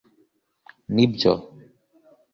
“Nibyo